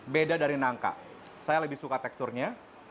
beda dari nangka saya lebih suka teksturnya